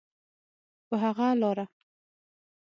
په هغه لاره.